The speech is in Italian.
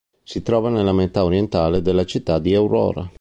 Si trova nella metà orientale della città di Aurora.